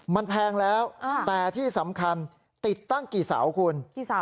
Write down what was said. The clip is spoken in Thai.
มันแพงแล้วแต่ที่สำคัญติดตั้งกี่เสาคุณ